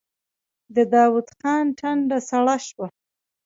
د داوود خان ټنډه سړه شوه.